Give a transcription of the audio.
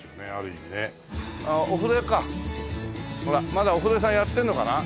まだお風呂屋さんやってるのかな？